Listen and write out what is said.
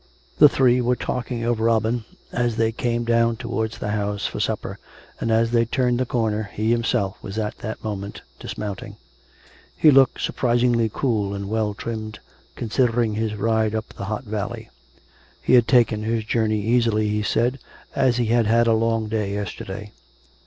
The three were talking of Robin as they came down towards the house for supper, and, as they turned the corner, he himself was at that moment dismounting. He looked surprisingly cool and well trimmed, consider ing his ride up the hot valley. He had taken his journey easily, he said, as he had had a long day yesterday.